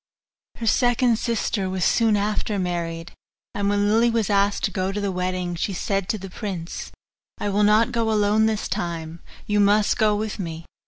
Her second sister was soon after married, and when Lily was asked to go to the wedding, she said to the prince, 'I will not go alone this time you must go with me.